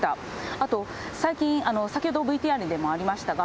あと最近、先ほどＶＴＲでもありましたが、